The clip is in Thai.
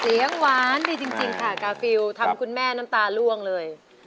เสียงหวานดีจริงค่ะกาฟิลทำคุณแม่น้ำตาล่วงเลย